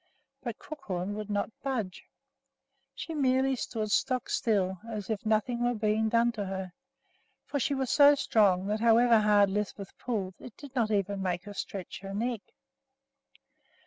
But Crookhorn would not budge. She merely stood stock still as if nothing were being done to her; for she was so strong that, however hard Lisbeth pulled, it did not even make her stretch her neck.